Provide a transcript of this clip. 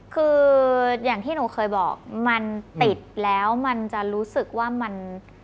คืออย่างที่หนูเคยบอกมันติดแล้วมันจะรู้สึกว่ามัน